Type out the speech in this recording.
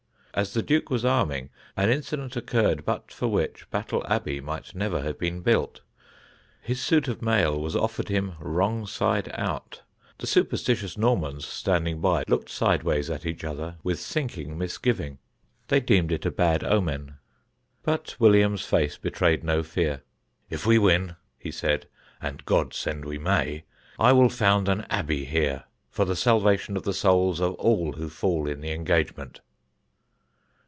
As the Duke was arming an incident occurred but for which Battle Abbey might never have been built. His suit of mail was offered him wrong side out. The superstitious Normans standing by looked sideways at each other with sinking misgiving. They deemed it a bad omen. But William's face betrayed no fear. "If we win," he said, "and God send we may, I will found an Abbey here for the salvation of the souls of all who fall in the engagement."